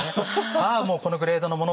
さあもうこのグレードのもの